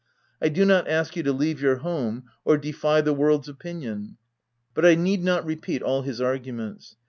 " I do not ask you to leave your home or defy the world's opinion." — But I need not repeat all his arguments.